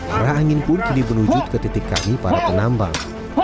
arah angin pun kini menuju ke titik kami para penambang